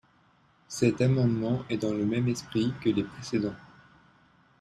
Cet amendement est dans le même esprit que les précédents.